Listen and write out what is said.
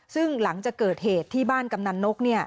ซึ่งหลังจากเกิดเหตุที่บ้านกำนันนก